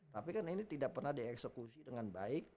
tapi kan ini tidak pernah dieksekusi dengan baik